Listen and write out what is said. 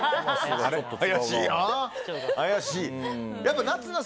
怪しいな。